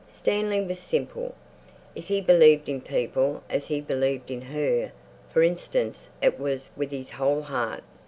Stanley was simple. If he believed in people—as he believed in her, for instance—it was with his whole heart.